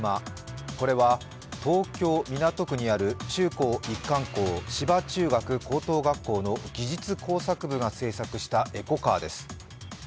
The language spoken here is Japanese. これは東京・港区にある中高一貫校芝中学・芝高等学校の技術工作部が制作したエコカーです。